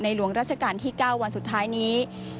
หลวงราชการที่๙วันสุดท้ายนี้